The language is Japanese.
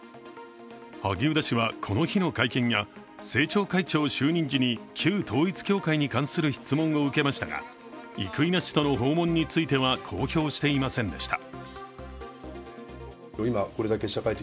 萩生田氏はこの日の会見や政調会長就任時に旧統一教会に関する質問を受けましたが、生稲氏との訪問については公表していませんでした。